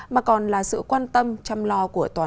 mà còn là sự quan tâm chăm lo